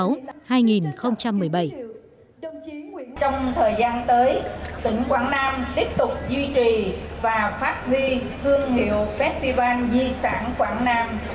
trong thời gian tới tỉnh quảng nam tiếp tục duy trì và phát huy thương hiệu festival di sản quảng nam